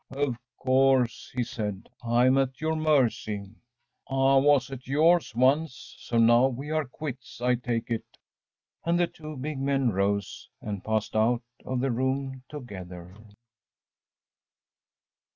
“Of course,‚ÄĚ he said, “I am at your mercy.‚ÄĚ “I was at yours once; so now we are quits, I take it.‚ÄĚ And the two big men rose and passed out of the room together.